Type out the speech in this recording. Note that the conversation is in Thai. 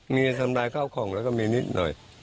มีอารมณ์ร้ายเข้าของแล้วก็มีนิดหน่อย